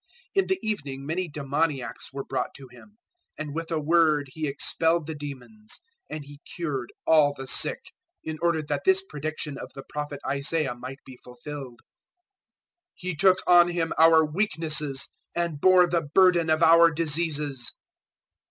008:016 In the evening many demoniacs were brought to Him, and with a word He expelled the demons; and He cured all the sick, 008:017 in order that this prediction of the Prophet Isaiah might be fulfilled, "He took on Him our weaknesses, and bore the burden of our diseases."